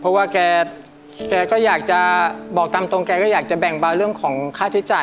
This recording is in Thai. เพราะว่าแกก็อยากจะบอกตามตรงแกก็อยากจะแบ่งเบาเรื่องของค่าใช้จ่าย